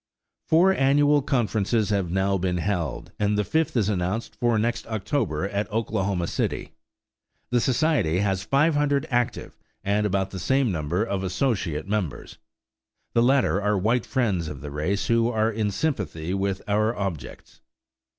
Four annual conferences have now been held, and the fifth is announced for next October at Oklahoma City. The society has 500 active and about the same number of associate members; the latter are white friends of the race who are in sympathy with our objects.